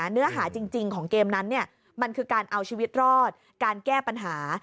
เนื้อหาจริงของเกมนั้นมันคือการเอาชีวิตรอดการแก้ปัญหา